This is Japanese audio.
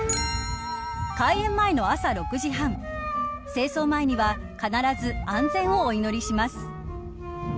開園前の朝６時３０分清掃前には必ず安全をお祈りします。